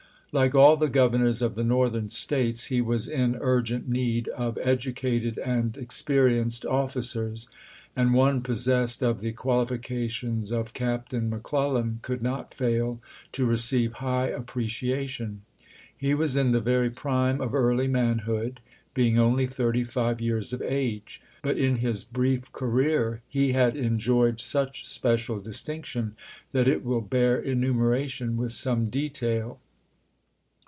Like all the governors of the Northern States, he was in ui'gent need of educated and experienced officers ; and one possessed of the qualifications of Captain McClellan could not fail to receive high appreciation. He was in the very prime of early manhood, being only thirty five years of age ; but in his brief career he had en joyed such special distinction that it will bear enumeration with some detail.